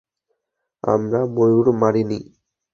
আমরা ময়ূর মারিনি।